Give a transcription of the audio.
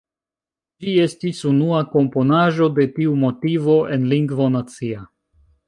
Ĝi estis unua komponaĵo de tiu motivo en lingvo nacia.